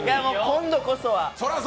今度こそは！